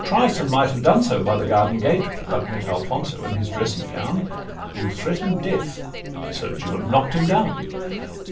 trice, And might have done so by the garden gate, But met Alfonso in his dressing gown, Who threaten'd death—so Juan knock'd him down.